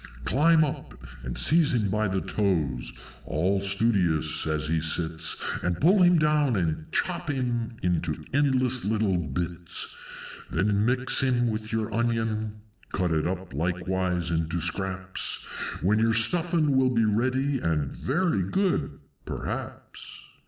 Climb up, and seize him by the toes, all studious as he sits, And pull him down, and chop him into endless little bits! Then mix him with your Onion (cut up likewise into Scraps), When your Stuffin' will be ready, and very good perhaps."